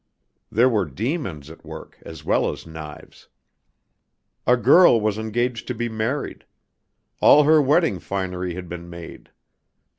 There were demons at work as well as knives. A girl was engaged to be married. All her wedding finery had been made.